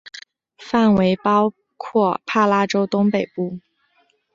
范围包括帕拉州东北部。